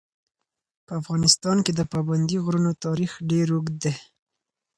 په افغانستان کې د پابندي غرونو تاریخ ډېر اوږد دی.